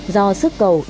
do sức cầu